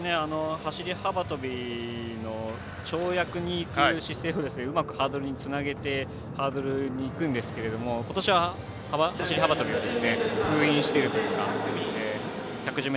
走り幅跳びの跳躍にいく姿勢をうまくハードルにつなげてハードルにいくんですけどことしは、走り幅跳びは封印しているというか１１０ｍ